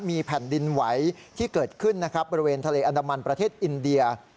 มีแผ่นดินไหวที่เกิดขึ้นนะครับบริเวณทะเลอันดามันประเทศอินเดีย